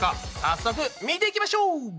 早速見ていきましょう！